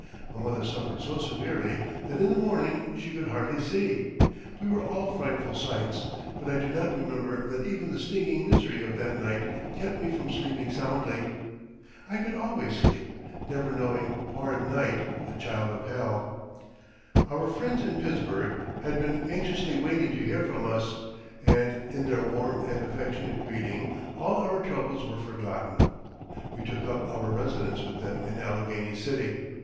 My mother suffered so severely that in the morning she could hardly see. We were all frightful sights, but I do not remember that even the stinging misery of that night kept me from sleeping soundly. I could always sleep, never knowing "horrid night, the child of hell." Our friends in Pittsburgh had been anxiously waiting to hear from us, and in their warm and affectionate greeting all our troubles were forgotten. We took up our residence with them in Allegheny City.